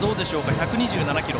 １２７キロ。